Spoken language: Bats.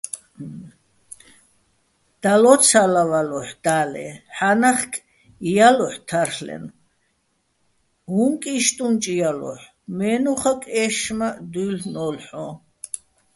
დალო́ცავალოჰ̦ო̆, და́ლე́, ჰ̦ა́ნახკ ჲალოჰ̦ო̆ თარლ'ენო̆, უ̂ჼკ იშტრუნჭ ჲალოჰ̦ო̆, მე́ნუხაკ ე́შშმაჸო̆ დუ́ჲლ'ნო́ლო̆ ჰ̦ოჼ?